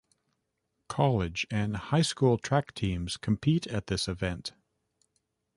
College and high school track teams compete at this event.